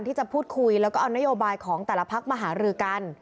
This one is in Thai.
ที่จะพูดคุยแล้วก็เอานโยบายของแต่ละพักมาหารือกัน